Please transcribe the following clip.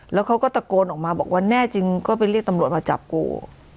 แล้วเขาก็ตะโกนออกมาบอกว่าแน่จริงก็ไปเรียกตำรวจมาจับกู